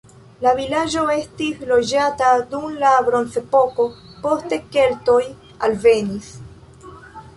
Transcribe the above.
La vilaĝo estis loĝata dum la bronzepoko, poste keltoj alvenis.